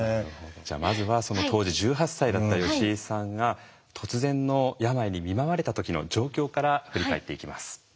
じゃあまずはその当時１８歳だった吉井さんが突然の病に見舞われた時の状況から振り返っていきます。